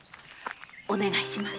お願いします。